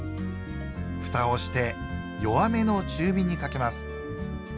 ふたをして弱めの中火にかけます。